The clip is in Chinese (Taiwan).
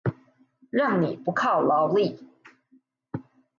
讓你不靠勞力